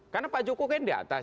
karena pak jokowi kan di atas